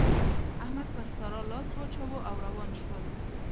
احمد پر سارا لاس واچاوو او روان شول.